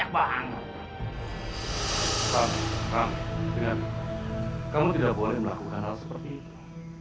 kamu kamu dengar kamu tidak boleh melakukan hal seperti itu